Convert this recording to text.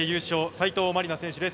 斉藤真理菜選手です。